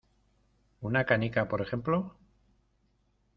¿ una canica, por ejemplo?